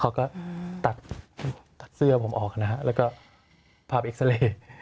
เขาก็ตัดเสื้อผมออกนะแล้วก็พาบอีกสเรย์